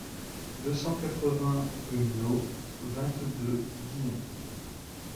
deux cent quatre-vingts rue No vingt-deux Dillon